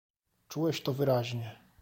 "Czułeś to wyraźnie."